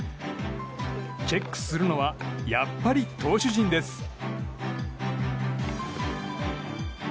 チェックするのはやっぱり投手陣です。